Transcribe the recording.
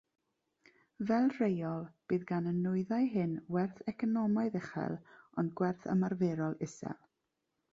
Fel rheol, bydd gan y nwyddau hyn werth economaidd uchel, ond gwerth ymarferol isel.